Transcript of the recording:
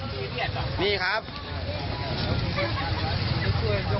มีอีเบียดหรอนี่ครับนี่ครับ